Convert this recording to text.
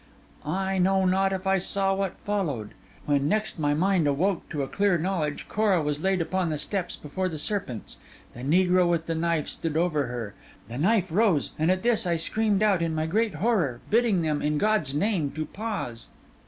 I know not if I saw what followed. When next my mind awoke to a clear knowledge, Cora was laid upon the steps before the serpents; the negro with the knife stood over her; the knife rose; and at this I screamed out in my great horror, bidding them, in God's name, to pause.